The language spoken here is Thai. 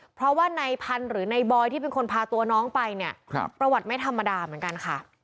เพราะว่าในพันธุ์หรือในบอยที่เป็นคนพาตัวน้องไปเนี่ยประวัติไม่ธรรมดาเหมือนกันค่ะ